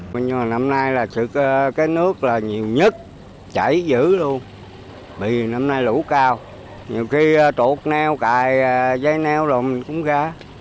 vì năm nay lũ cao nhiều khi trột neo cài dây neo rồi mình cũng ra